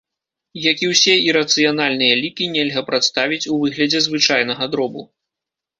Як і ўсе ірацыянальныя лікі, нельга прадставіць у выглядзе звычайнага дробу.